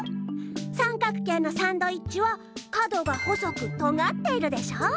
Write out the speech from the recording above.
さんかく形のサンドイッチは角がほそくとがっているでしょ。